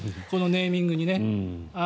このネーミングにね。